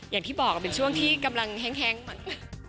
อย่างที่บอกเป็นช่วงที่กำลังแห้งเหมือนกัน